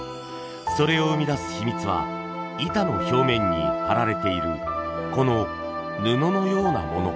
それを生み出す秘密は板の表面に貼られているこの布のようなもの。